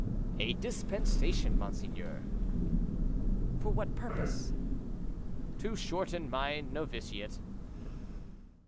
"A dispensation, monseigneur." "For what purpose?" "To shorten my noviciate."